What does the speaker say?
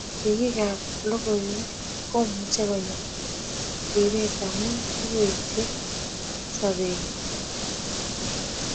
sirik ab logoiywek komache konyor ribet amu iyweishe sobet ngwai